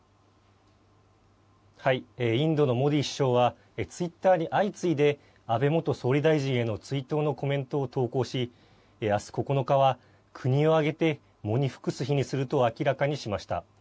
インドのモディ首相はツイッターに相次いで安倍元総理大臣への追悼のコメントを投稿しあす９日は国を挙げて喪に服す日にすると明らかにしました。